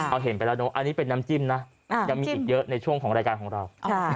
อันนี้เป็นน้ำจิ้มนะยังมีอีกเยอะในช่วงของรายการของเรา